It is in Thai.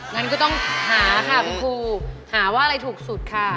งั้นก็ต้องหาค่ะคุณครูหาว่าอะไรถูกสุดค่ะ